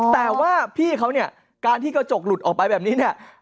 แต่ว่าพี่เขาเนี่ยการที่กระจกหลุดออกไปแบบนี้เนี่ย